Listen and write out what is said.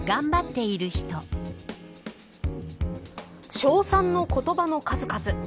称賛の言葉の数々。